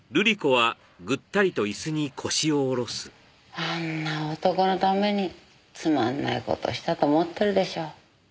あんな男のためにつまんない事したと思ってるでしょ？